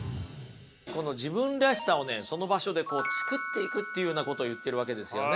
この自分らしさをねその場所で作っていくっていうようなことを言ってるわけですよね。